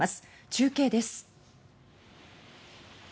中継です。